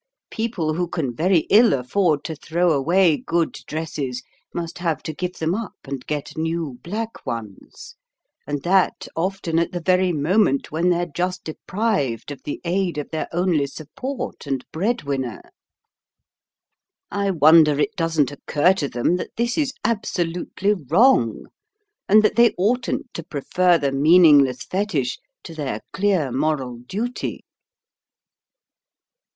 People who can very ill afford to throw away good dresses must have to give them up, and get new black ones, and that often at the very moment when they're just deprived of the aid of their only support and bread winner. I wonder it doesn't occur to them that this is absolutely wrong, and that they oughtn't to prefer the meaningless fetich to their clear moral duty."